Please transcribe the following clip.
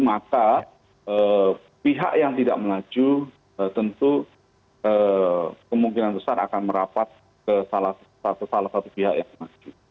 maka pihak yang tidak maju tentu kemungkinan besar akan merapat ke salah satu pihak yang maju